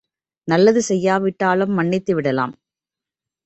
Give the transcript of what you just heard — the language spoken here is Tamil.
நல்லது செய்யாவிட்டாலும் மன்னித்து விடலாம்.